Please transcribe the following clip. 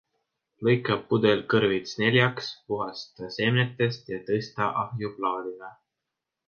Lõika pudelkõrvits neljaks, puhasta seemnetest ja tõsta ahjuplaadile.